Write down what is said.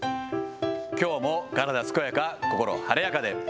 きょうも体健やか心晴れやかで。